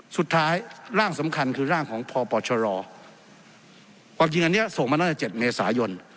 สุดท้ายร่างสำคัญคือร่างของพปชรจริงอันนี้ส่งมาตราเจ็ดเมษายน